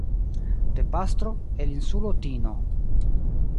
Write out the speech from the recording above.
de pastro, el insulo Tino.